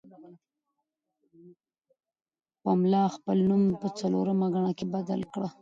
پملا خپل نوم په څلورمه ګڼه کې بدل کړ.